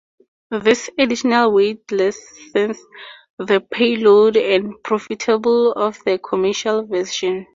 This additional weight lessens the payload and the profitability of the commercial version.